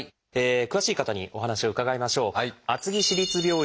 詳しい方にお話を伺いましょう。